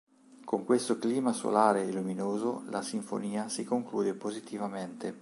Con questo clima solare e luminoso la sinfonia si conclude positivamente.